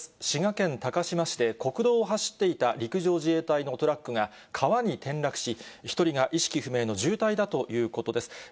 滋賀県高島市で、国道を走っていた陸上自衛隊のトラックが、川に転落し、１人が意識不明の重体だということです。